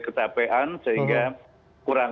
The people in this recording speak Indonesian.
ketapean sehingga kurang